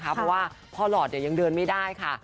เพราะว่าพ่อหลอดยังเดินไม่ได้ค่ะ